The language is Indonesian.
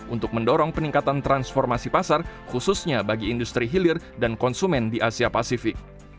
untuk mendorong peningkatan transformasi pasar khususnya bagi industri hilir dan konsumen di asia pasifik